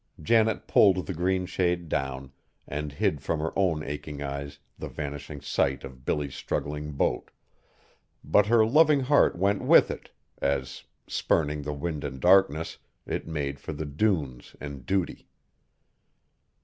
Janet pulled the green shade down, and hid from her own aching eyes the vanishing sight of Billy's struggling boat, but her loving heart went with it as, spurning the wind and darkness, it made for the dunes and duty!